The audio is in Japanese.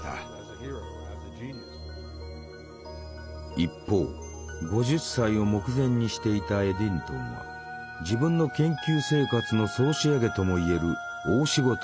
一方５０歳を目前にしていたエディントンは自分の研究生活の総仕上げとも言える大仕事に取りかかっていた。